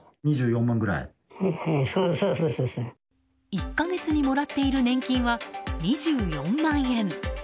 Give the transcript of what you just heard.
１か月にもらっている年金は２４万円。